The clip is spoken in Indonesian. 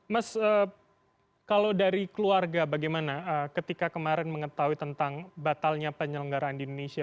mas kalau dari keluarga bagaimana ketika kemarin mengetahui tentang batalnya penyelenggaraan di indonesia